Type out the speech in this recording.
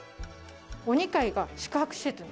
お二階が宿泊施設に。